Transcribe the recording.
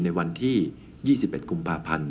ในวันที่๒๑กุมภาพันธ์